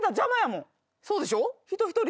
そうでしょ。